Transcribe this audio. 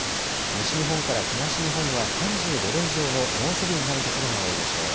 西日本から東日本は３５度以上の猛暑日になるところが多いでしょう。